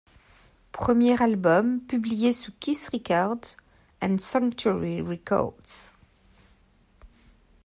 Premièr album publié sous Kiss Records et Sanctuary Records.